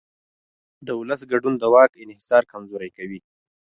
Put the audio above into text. د ولس ګډون د واک انحصار کمزوری کوي